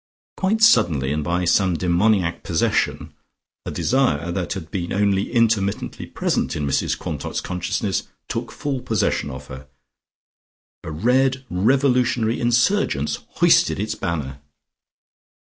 Quite suddenly and by some demoniac possession, a desire that had been only intermittently present in Mrs Quantock's consciousness took full possession of her, a red revolutionary insurgence hoisted its banner.